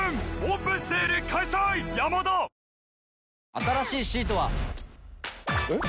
新しいシートは。えっ？